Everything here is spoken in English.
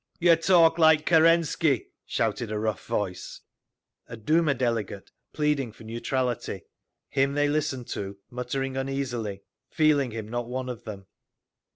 "You talk like Kerensky!" shouted a rough voice. A Duma delegate, pleading for neutrality. Him they listened to, muttering uneasily, feeling him not one of them.